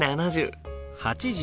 「８０」。